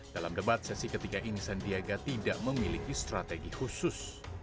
dalam debat sesi ketiga ini sandiaga tidak memiliki strategi khusus